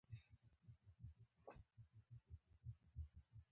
تازه تاوتریخوالی د حکومت او طالبانو ترمنځ د سولې خبرې ګډوډې کړې.